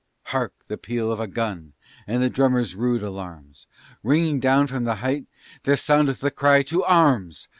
Hark, the peal of a gun! and the drummer's rude alarms! Ringing down from the height there soundeth the cry, _To arms!